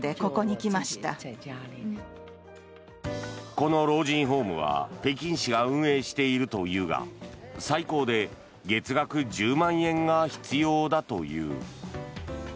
この老人ホームは北京市が運営しているというが最高で月額１０万円が必要だという。